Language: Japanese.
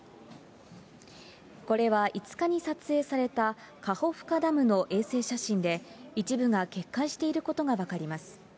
これは５日に撮影されたダムの衛星写真で、一部が決壊していることが分かりました。